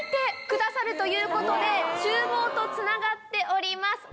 厨房とつながっております。